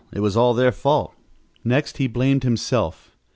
It was all their fault! Next he blamed himself.